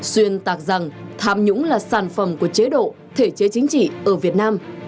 xuyên tạc rằng tham nhũng là sản phẩm của chế độ thể chế chính trị ở việt nam